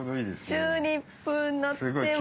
チューリップになってます。